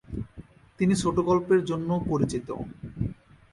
তিনি ছোট গল্পের জন্যও পরিচিত।